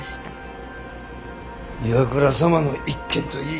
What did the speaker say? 岩倉様の一件といい